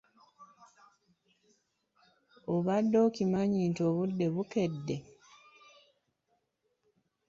Obadde okimanyi nti obudde bukedde?